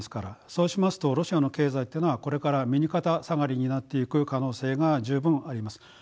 そうしますとロシアの経済っていうのはこれから右肩下がりになっていく可能性が十分あります。